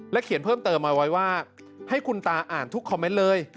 เขียนเพิ่มเติมเอาไว้ว่าให้คุณตาอ่านทุกคอมเมนต์เลย